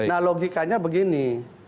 nah logikanya begini